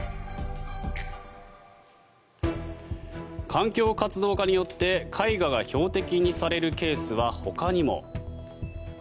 環境活動家によって絵画が標的にされるケースはほかにも。